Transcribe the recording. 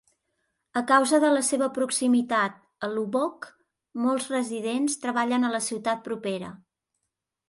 A causa de la seva proximitat a Lubbock, molts residents treballen a la ciutat propera.